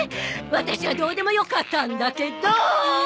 ワタシはどうでもよかったんだけど！